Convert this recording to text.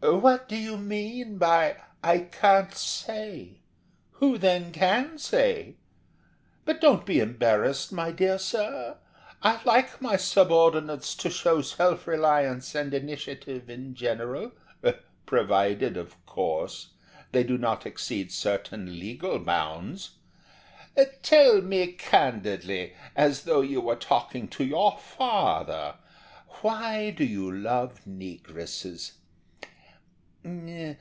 "What do you mean by? "I can't say'? Who, then, can say? But don't be embarrassed, my dear sir. I like my subordinates to show self reliance and initiative in general, provided, of course, they do not exceed certain legal bounds. Tell me candidly, as though you were talking to your father, why do you love negresses?"